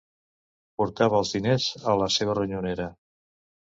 Portava els diners a la seva ronyonera